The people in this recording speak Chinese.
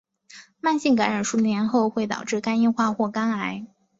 慢性感染数年后会导致肝硬化或肝癌。